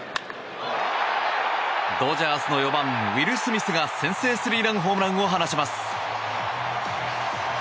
ドジャースの４番ウィル・スミスが先制スリーランホームランを放ちます。